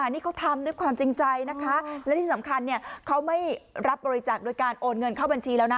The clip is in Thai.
นี่เขาทำด้วยความจริงใจนะคะและที่สำคัญเขาไม่รับบริจาคโดยการโอนเงินเข้าบัญชีแล้วนะ